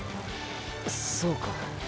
そうか。